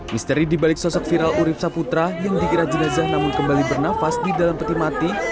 misteri dibalik sosok viral urib saputra yang dikira jenazah namun kembali bernafas di dalam peti mati